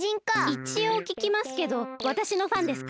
いちおうききますけどわたしのファンですか？